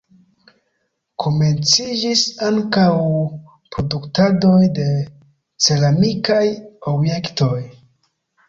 Komenciĝis ankaŭ produktadoj de ceramikaj objektoj.